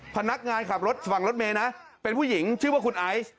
พนักงานขับรถฝั่งรถเมย์นะเป็นผู้หญิงชื่อว่าคุณไอซ์